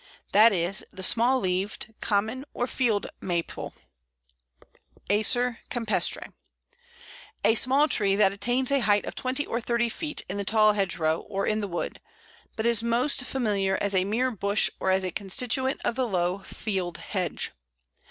This is the Small leaved, Common, or Field Maple (Acer campestre), a small tree that attains a height of twenty or thirty feet in the tall hedgerow or in the wood, but is most familiar as a mere bush or as a constituent of the low field hedge.